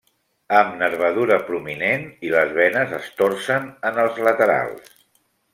Amb nervadura prominent i les venes es torcen en els laterals.